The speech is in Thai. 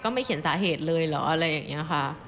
ไม่เขียนสาเหตุเลยเหรออะไรอย่างนี้ค่ะ